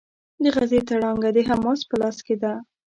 د غزې تړانګه د حماس په لاس کې ده.